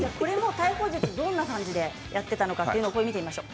逮捕術どんな感じでやっていたのか見てみましょう。